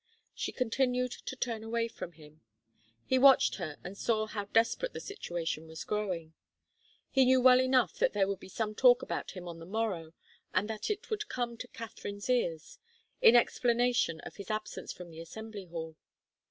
She continued to turn away from him. He watched her, and saw how desperate the situation was growing. He knew well enough that there would be some talk about him on the morrow and that it would come to Katharine's ears, in explanation of his absence from the Assembly ball.